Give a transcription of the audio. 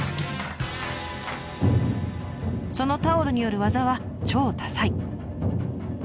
そのタオルによる技は超多彩。